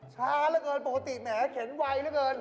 ช้าเรียกเอิญปกติแหมเข็นไวแล้วกัน